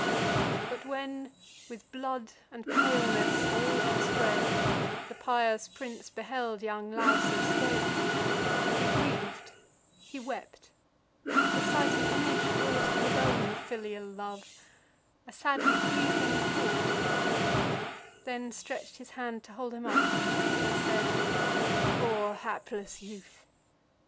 But when, with blood and paleness all o'erspread, The pious prince beheld young Lausus dead, He griev'd; he wept; the sight an image brought Of his own filial love, a sadly pleasing thought: Then stretch'd his hand to hold him up, and said: "Poor hapless youth!